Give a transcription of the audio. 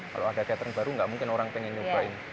kalau ada katering baru gak mungkin orang pengen nyobain